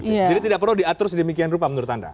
jadi tidak perlu diatur sedemikian rupa menurut anda